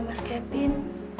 sama mas kevin